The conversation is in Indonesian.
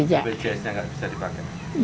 bpjs nya nggak bisa dipakai